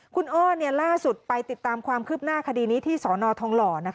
คุณอ้อล่าสุดไปติดตามความคืบหน้าคดีนี้ที่สนทองหล่อ